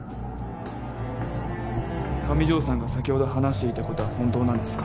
上條さんが先ほど話していた事は本当なんですか？